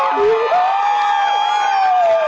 พี่สิทธิ์